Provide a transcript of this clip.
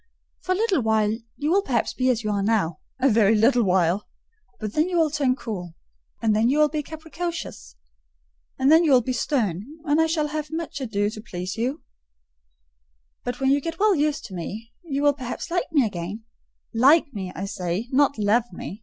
"For a little while you will perhaps be as you are now,—a very little while; and then you will turn cool; and then you will be capricious; and then you will be stern, and I shall have much ado to please you: but when you get well used to me, you will perhaps like me again,—like me, I say, not love me.